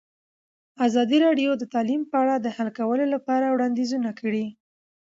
ازادي راډیو د تعلیم په اړه د حل کولو لپاره وړاندیزونه کړي.